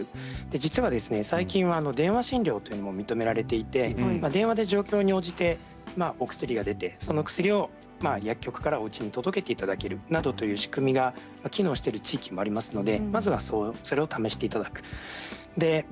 実は最近は電話診療というのが認められていて電話で状況に応じてお薬が出てその薬を、薬局からおうちに届けていただけるなどという仕組みが機能している地域もありますのでまずはそれを試していただく。